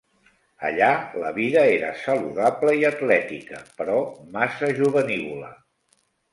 Allà la vida era saludable i atlètica, però massa jovenívola.